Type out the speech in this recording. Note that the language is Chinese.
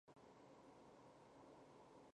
梅纳德迄今已发行过两张专辑。